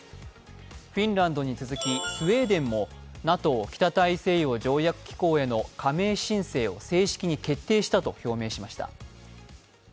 フィンランドに続きスウェーデンもＮＡＴＯ＝北大西洋条約機構への加盟申請を正式に決定したと表明しました。